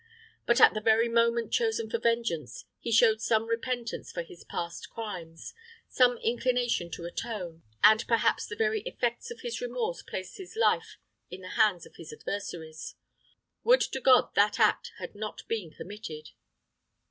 But at the very moment chosen for vengeance, he showed some repentance for his past crimes, some inclination to atone, and perhaps the very effects of his remorse placed his life in the hands of his adversaries. Would to God that act had not been committed."